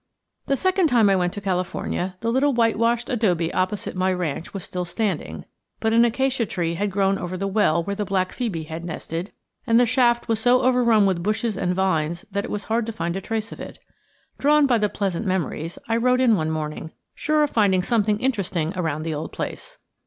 THE second time I went to California the little whitewashed adobe opposite my ranch was still standing, but an acacia tree had grown over the well where the black phœbe had nested, and the shaft was so overrun with bushes and vines that it was hard to find a trace of it. Drawn by pleasant memories, I rode in one morning, sure of finding something interesting about the old place.